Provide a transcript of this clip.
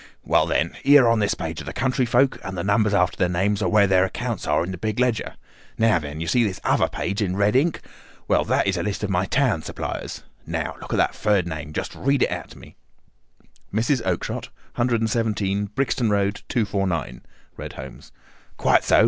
Well, then, here on this page are the country folk, and the numbers after their names are where their accounts are in the big ledger. Now, then! You see this other page in red ink? Well, that is a list of my town suppliers. Now, look at that third name. Just read it out to me." "Mrs. Oakshott, 117, Brixton Road—249," read Holmes. "Quite so.